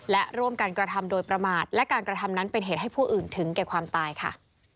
และร่วมกันกระทำโดยประมาทและการกระทำนั้นเป็นเหตุให้ผู้อื่นถึงแก่ความตายค่ะ